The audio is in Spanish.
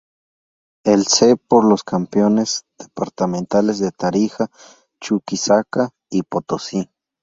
El C por los campeones departamentales de Tarija, Chuquisaca y Potosí.